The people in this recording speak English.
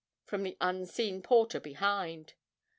from the unseen porter behind.